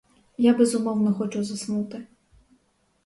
Я безумовно хочу заснути.